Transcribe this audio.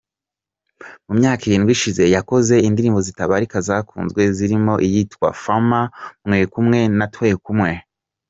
Mu myaka irindwi ishize yakoze indirimbo zitabarika zakunzwe zirimo iyitwa “Farmer”, “Mwekumwe” na “Twekumwe”.